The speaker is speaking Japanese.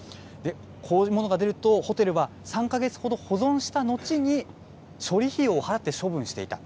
こういうものが出ると、ホテルは３か月ほど保存した後に、処理費用を払って処分していた。